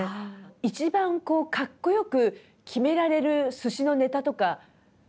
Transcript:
一番こうかっこ良く決められる寿司のネタとかありますか？